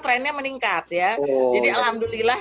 trendnya meningkat ya jadi alhamdulillah